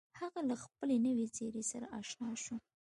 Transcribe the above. هغه له خپلې نوې څېرې سره اشنا شو.